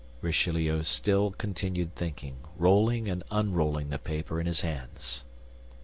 Richelieu still continued thinking, rolling and unrolling the paper in his hands.